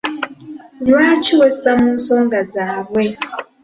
Lwaki wessa mu nsonga zaabwe?